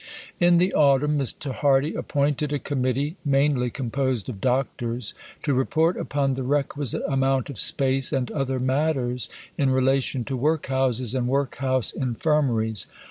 In the autumn Mr. Hardy appointed a Committee, mainly composed of doctors, to report "upon the requisite amount of space, and other matters, in relation to workhouses and workhouse infirmaries."